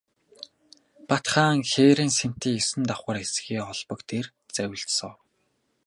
Бат хаан хээрийн сэнтий есөн давхар эсгий олбог дээр завилж суув.